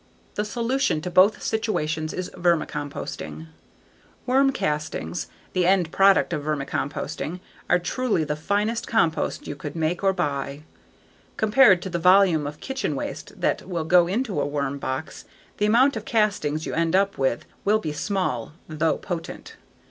The solution to both situations is vermicomposting. Worm castings, the end product of vermicomposting, are truly the finest compost you could make or buy. Compared to the volume of kitchen waste that will go into a worm box, the amount of castings you end up with will be small, though potent.